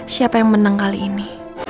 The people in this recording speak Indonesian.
siapa yang menang kali ini